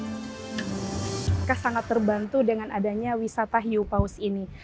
berkah sangat terbantu dengan adanya wisata hiupaus ini